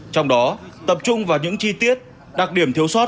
trong đó tập trung vào những chi tiết đặc điểm thiếu sót